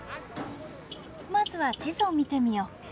まずは地図を見てみよう。